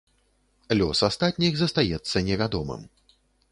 Лёс астатніх застаецца невядомым.